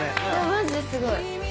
マジですごい。